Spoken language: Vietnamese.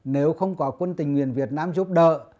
nếu không có quân tình nguyện việt nam giúp đỡ